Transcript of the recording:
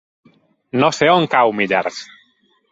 No sé on cau Millars.